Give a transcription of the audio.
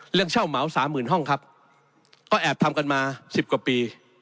เช่าเหมาสามหมื่นห้องครับก็แอบทำกันมาสิบกว่าปี